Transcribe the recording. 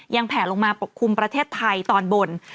แผ่ลงมาปกคลุมประเทศไทยตอนบน